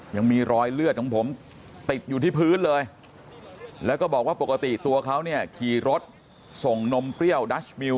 ยังมีรอยเลือดของผมติดอยู่ที่พื้นเลยแล้วก็บอกว่าปกติตัวเขาเนี่ยขี่รถส่งนมเปรี้ยวดัชมิล